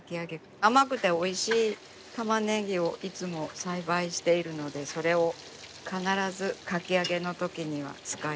甘くておいしいたまねぎをいつも栽培しているのでそれを必ずかき揚げのときには使います。